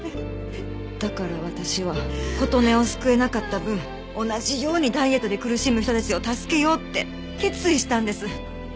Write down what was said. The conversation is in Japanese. だから私は琴音を救えなかった分同じようにダイエットで苦しむ人たちを助けようって決意したんです。